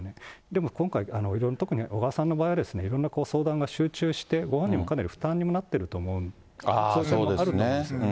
でも今回、特に小川さんの場合は、いろんな相談が集中して、ご本人もかなり負担になってると思う、そういう点もあると思うんですね。